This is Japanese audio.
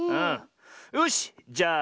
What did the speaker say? よしじゃあ